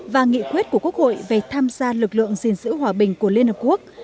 và nghị quyết của quốc hội về tham gia lực lượng gìn giữ hòa bình của liên hợp quốc